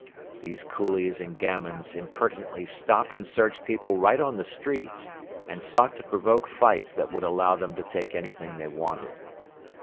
These coolies and gamins impertinently stopped and searched people right on the streets and sought to provoke fights that would allow them to take anything they wanted.